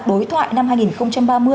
đối thoại năm hai nghìn ba mươi